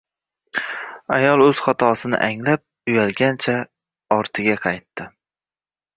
Ayol oʻz xatosini anglab, uyalgancha ortiga qaytdi.